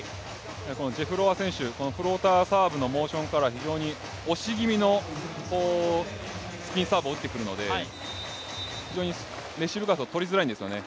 このジュフロワ選手、フローターサーブのモーションから押し気味のスピンサーブを打ってくるので非常にレシーブがとりづらいんですよね。